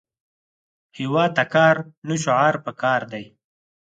هیواد ته کار، نه شعار پکار دی